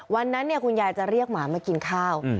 วันนั้นคุณยายจะเรียกหมามากินข้าว